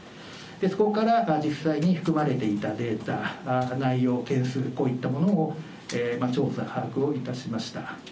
そこから実際に含まれていたデータ、内容、件数、こういったものを調査、把握を致しました。